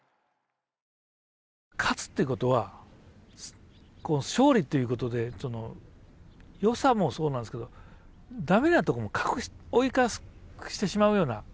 勝つということは勝利ということでよさもそうなんですけど駄目なとこも覆い隠してしまうような。